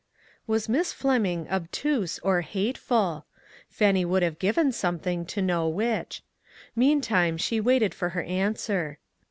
Was Miss Fleming obtuse or hateful ? Fannie would have given something to know which. Meantime, she waited for her an swer.